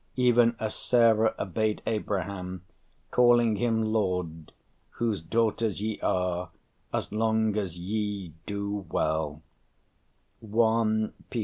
even as Sara obeyed Abraham, calling him lord, whose daughters ye are as long as ye do well" (1 Pet.